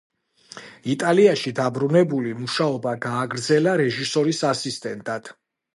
იტალიაში დაბრუნებული, მუშაობა გააგრძელა რეჟისორის ასისტენტად.